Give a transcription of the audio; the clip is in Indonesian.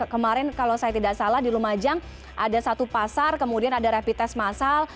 kemarin kalau saya tidak salah di lumajang ada satu pasar kemudian ada rapid test masal